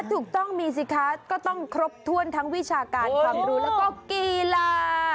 ถูกต้องมีสิคะก็ต้องครบถ้วนทั้งวิชาการความรู้แล้วก็กีฬา